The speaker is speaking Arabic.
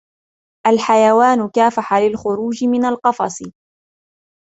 الحيوان كافح للخروج من القفص.